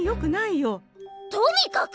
とにかく！